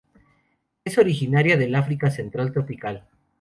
Es originaria del África Central tropical.